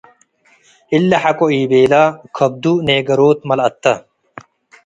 እሊ ሐቆ ኢቤለ - ከብዱ ኔገሮት መልአተ